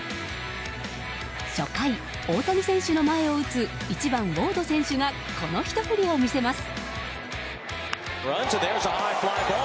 初回、大谷選手の前を打つ１番、ウォード選手がこのひと振りを見せます。